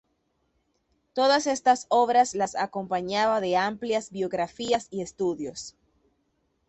Todas estas obras las acompañaba de amplias biografías y estudios.